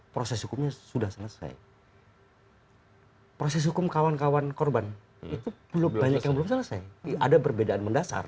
proses hukumnya sudah selesai proses hukum kawan kawan korban itu belum banyak yang belum selesai ada perbedaan mendasar